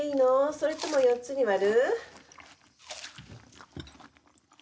それとも４つに割る？